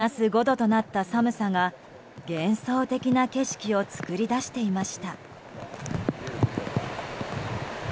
マイナス５度となった寒さが幻想的な景色を作り出していました。